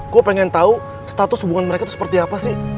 gue pengen tahu status hubungan mereka itu seperti apa sih